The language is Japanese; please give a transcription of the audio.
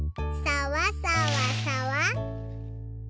さわさわさわ。